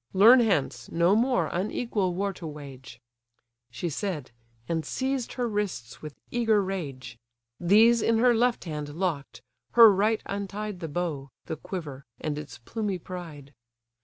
Learn hence, no more unequal war to wage—" She said, and seized her wrists with eager rage; These in her left hand lock'd, her right untied The bow, the quiver, and its plumy pride.